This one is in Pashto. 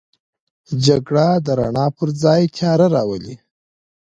جګړه د رڼا پر ځای تیاره راولي